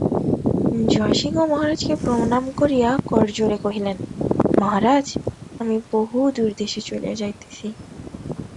জয়সিংহ মহারাজকে প্রণাম করিয়া করজোড়ে কহিলেন, মহারাজ, আমি বহুদূরদেশে চলিয়া যাইতেছি।